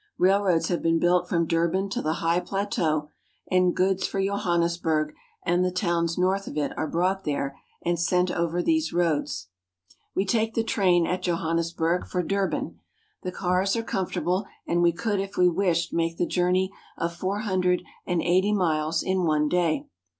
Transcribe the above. Railroads have been built from Durban to the high plateau, and goods for Johannesburg and the towns north of it are brought there and sent over these roads. We take the train at Johannesburg for Durban. The cars are comfortable, and we could if we wished make the journey of four hundred ana eighty miles in one day.